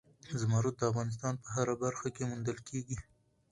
زمرد د افغانستان په هره برخه کې موندل کېږي.